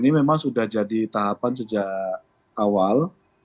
itu satu hal